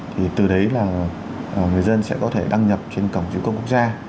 thì từ đấy là người dân sẽ có thể đăng nhập trên cổng chính công quốc gia